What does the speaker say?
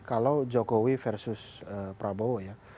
kalau jokowi versus prabowo ya